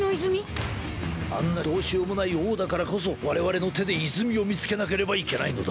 あんなどうしようもない王だからこそ、我々の手で泉を見つけないといけないのだ。